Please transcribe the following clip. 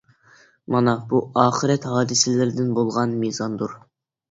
مانا بۇ ئاخىرەت ھادىسىلىرىدىن بولغان مىزاندۇر.